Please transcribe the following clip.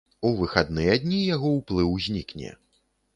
У выхадныя дні яго ўплыў знікне.